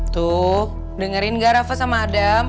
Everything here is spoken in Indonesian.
tuh dengerin gak rafa sama adam